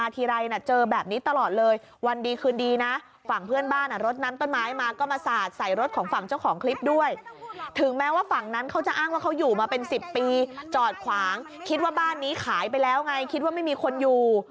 แต่มันมาทีไร่จะมันเจอแบบนี้ตลอดเลย